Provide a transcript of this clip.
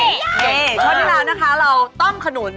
เย้ช่วงนี้เรานะคะเราต้มขนุน